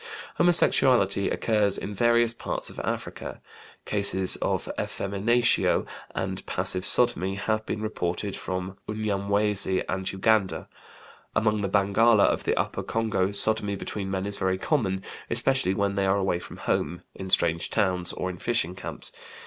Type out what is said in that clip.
Homosexuality; occurs in various parts of Africa. Cases of effeminatio and passive sodomy have been reported from Unyamwezi and Uganda. Among the Bangala of the Upper Congo sodomy between men is very common, especially when they are away from home, in strange towns, or in fishing camps.